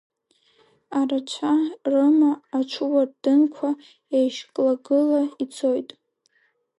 Арацәа рыма аҽуардынқәа, еишьклагыла ицоит.